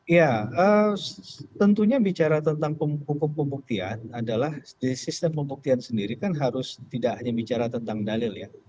ya tentunya bicara tentang hukum pembuktian adalah di sistem pembuktian sendiri kan harus tidak hanya bicara tentang dalil ya